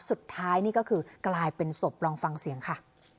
สุดท้ายนี่ก็คือกลายเป็นศพลองฟังเสียงค่ะ